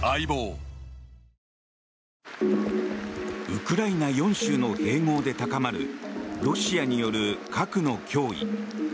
ウクライナ４州の併合で高まるロシアによる核の脅威。